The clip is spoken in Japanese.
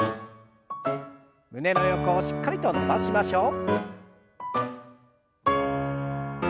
胸の横をしっかりと伸ばしましょう。